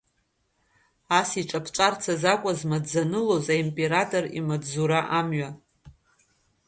Ас иҿаԥҵәарц азакәызма дзанылоз аимператор имаҵзура амҩа.